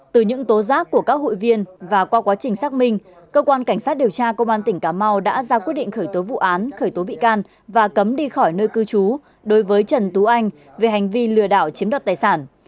từ những tố giác của các hội viên và qua quá trình xác minh cơ quan cảnh sát điều tra công an tỉnh cà mau đã ra quyết định khởi tố vụ án khởi tố bị can và cấm đi khỏi nơi cư trú đối với trần tú anh về hành vi lừa đảo chiếm đoạt tài sản